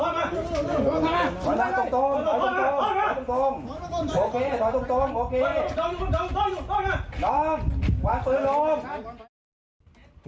ว้าว